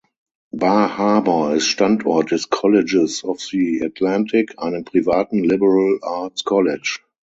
Bar Harbor ist Standort des Colleges of the Atlantic, einem privaten "Liberal Arts College".